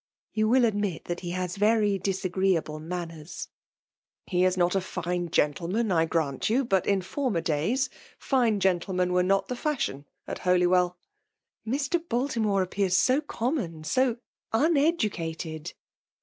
''' ''You will admit that he has very .disagree able manners ?"•••*' Ho is not a fine gentlemflxi> . I grant you ; but in former days, fine gentlemen were, not the fashion at Holywell'* " Mr. Baltimore appears «o commo]i« so un educated